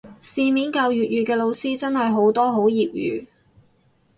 市面教粵語嘅老師真係好多好業餘